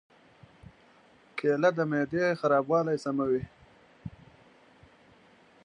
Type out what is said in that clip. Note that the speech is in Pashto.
کېله د معدې خرابوالی سموي.